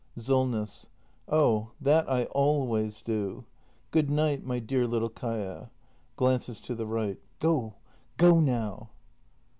SOLNESS. Oh, that I always do. Good night, my dear little Kaia. [Glances to the right.] Go, go now!